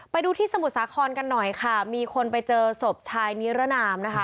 ไปดูที่สมุทรสาครกันหน่อยค่ะมีคนไปเจอศพชายนิรนามนะคะ